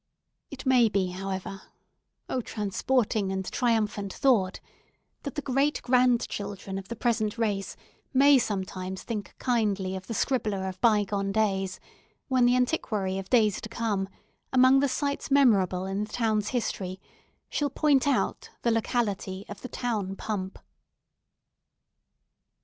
It may be, however—oh, transporting and triumphant thought—that the great grandchildren of the present race may sometimes think kindly of the scribbler of bygone days, when the antiquary of days to come, among the sites memorable in the town's history, shall point out the locality of THE TOWN PUMP.